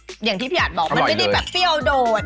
อร่อยเลยอย่างที่พี่อันะคะบอกมันไม่ได้แบบเปรี้ยวโดด